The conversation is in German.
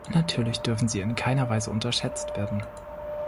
Natürlich dürfen sie in keiner Weise unterschätzt werden.